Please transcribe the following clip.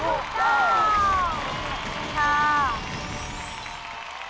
ขอบคุณครับ